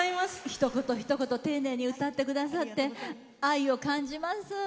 ひと言ひと言、丁寧に歌ってくださって愛を感じます。